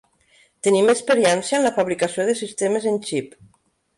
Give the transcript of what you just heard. Tenim experiència en la fabricació de sistemes en xip.